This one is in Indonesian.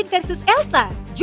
udah pulang sekolah